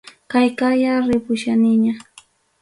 Kayqaya ripuskaniña.